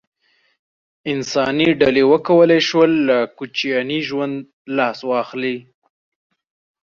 انساني ډلې وکولای شول له کوچیاني ژوند لاس واخلي.